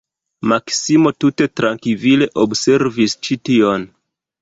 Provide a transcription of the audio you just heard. Maksimo tute trankvile observis ĉi tion.